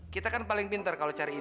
kita kan paling pintar kalau cari ide